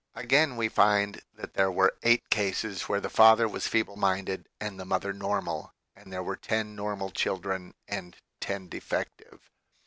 Again, we find that there were eight cases where the father was feeble minded and the mother normal, and there were ten normal children and ten defective.